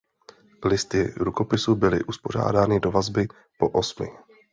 Listy rukopisu byly uspořádány do vazby po osmi.